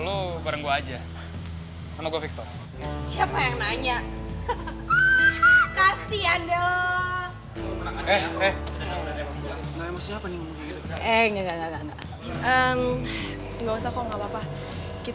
udah kok ga ada yang ngapain